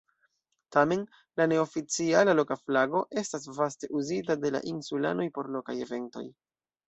Tamen, la neoficiala loka flago estas vaste uzita de la insulanoj por lokaj eventoj.